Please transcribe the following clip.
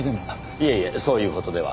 いえいえそういう事では。